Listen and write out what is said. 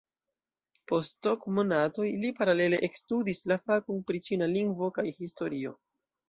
Post ok monatoj li paralele ekstudis la fakon pri ĉina lingvo kaj historio.